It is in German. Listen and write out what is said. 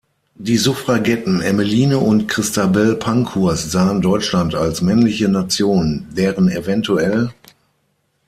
Die Suffragetten Emmeline und Christabel Pankhurst sahen Deutschland als "männliche Nation", deren evtl.